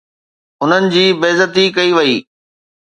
انهن جي بي عزتي ڪئي وئي